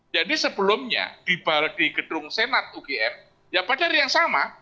jadi sebelumnya di gedung senat ugm ya pada hari yang sama